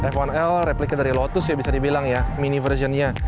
f satu l replika dari lotus ya bisa dibilang ya mini versionnya